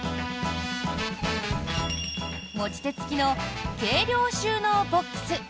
持ち手付きの軽量収納ボックス。